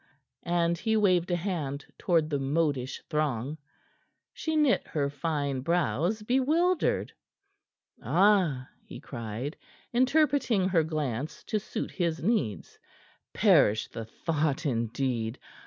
And he waved a hand toward the modish throng. She knit her fine brows, bewildered. "Ah!" he cried, interpreting her glance to suit his ends, "perish the thought, indeed!